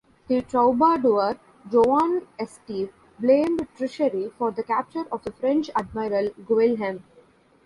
The troubadour Joan Esteve blamed treachery for the capture of the French admiral Guilhem.